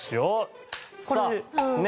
これでね。